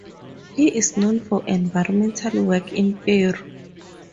He is known for environmental work in Peru.